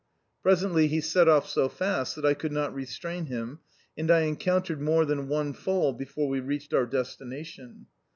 Presently he set off so fast that I could not restrain him, and I encountered more than one fall before we reached our destination.